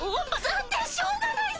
だってしょうがないし！